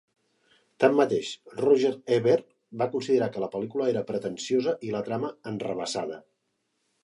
Tanmateix, Roger Ebert va considerar que la pel·lícula era pretensiosa i la trama enrevessada.